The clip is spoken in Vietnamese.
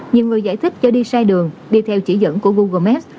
nhiều người giải thích cho đi sai đường đi theo chỉ dẫn của google maps